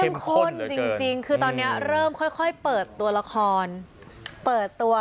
ข้นจริงคือตอนนี้เริ่มค่อยเปิดตัวละครเปิดตัว